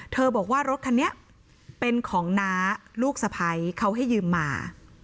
บอกว่ารถคันนี้เป็นของน้าลูกสะพ้ายเขาให้ยืมมา